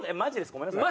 ごめんなさい。